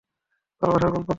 ভালবাসার গল্প, তো?